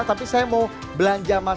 tapi saya mau belanja untuk anda guys